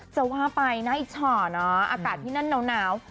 จะว่าไปนะอีกช่อนอ่ะอากาศที่นั่นหนาว